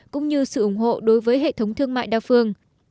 cũng như sự ủng hộ đối với hệ thống thương mại đa phương